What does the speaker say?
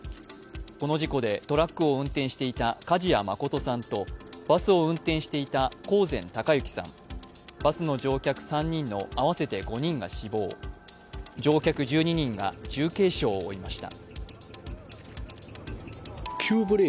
この事故でトラックを運転していた梶谷誠さんと、バスを運転していた興膳孝幸さん、バスの乗客３人の合わせて５人が死亡、乗客１２人が重軽傷を負いました。